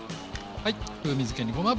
風味付けにごま油。